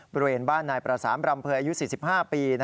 บริเวณบ้านนายประสานรำเภยอายุ๔๕ปี